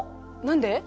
何で？